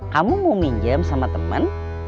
kamu mau pinjam sama temen